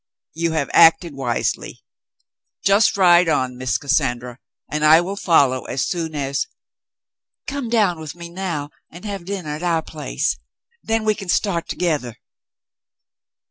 "You have acted wisely. Just ride on, Miss Cassandra, and I will follow as soon as —'* "Come dovv^n with me now and have dinnah at our place. Then we can start togethah."